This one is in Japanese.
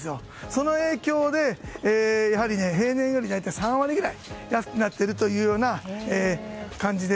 その影響で平年より大体３割ぐらい安くなっているというような感じで。